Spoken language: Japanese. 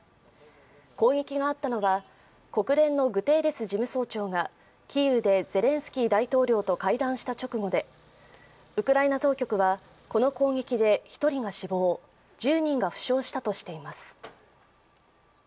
攻撃があったのは、国連のグテーレス事務総長がキーウでゼレンスキー大統領と会談した直後でウクライナ当局はこの攻撃で１人が死亡、１０人が負傷したとしています。